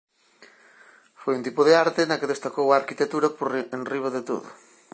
Foi un tipo de arte na que destacou a arquitectura por enriba de todo.